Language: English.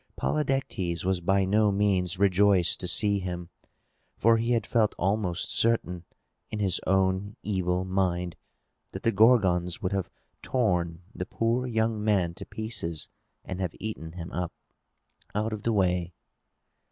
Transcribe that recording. Polydectes was by no means rejoiced to see him; for he had felt almost certain, in his own evil mind, that the Gorgons would have torn the poor young man to pieces, and have eaten him up, out of the way.